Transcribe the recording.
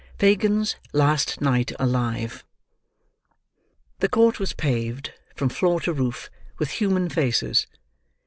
FAGIN'S LAST NIGHT ALIVE The court was paved, from floor to roof, with human faces.